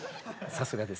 さすがです。